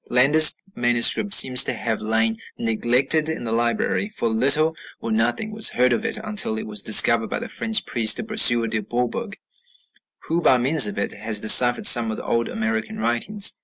Landa's manuscript seems to have lain neglected in the library, for little or nothing was heard of it until it was discovered by the French priest Brasseur de Bourbourg, who, by means of it, has deciphered some of the old American writings.